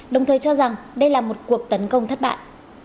đồng thời cho rằng đây là một cuộc tấn công thất bại